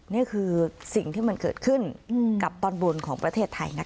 นี่คือสิ่งที่มันเกิดขึ้นกับตอนบนของประเทศไทยนะคะ